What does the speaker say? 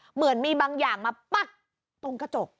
เหมือนมีบางอย่างมาปั๊กตรงกระจก